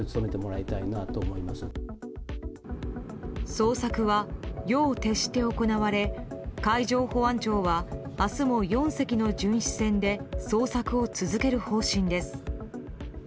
捜索は夜を徹して行われ海上保安庁は明日も４隻の巡視船で捜索を続ける方針です。